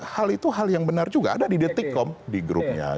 hal itu hal yang benar juga ada di detikkom di grupnya